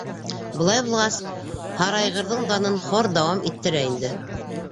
Былай булғас, Һарайғырҙың данын хор дауам иттерә инде!